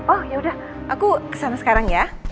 oh ya udah aku kesana sekarang ya